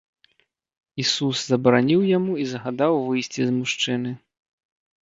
Ісус забараніў яму і загадаў выйсці з мужчыны.